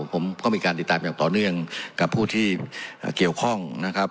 ผมก็มีการติดตามอย่างต่อเนื่องกับผู้ที่เกี่ยวข้องนะครับ